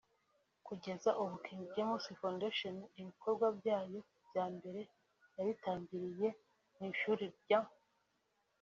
Kugeza ubu King James Foundation ibikorwa byayo bya mbere yabitangiriye mu ishuri ry’